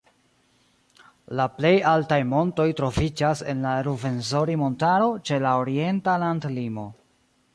La plej altaj montoj troviĝas en la Ruvenzori-montaro ĉe la orienta landlimo.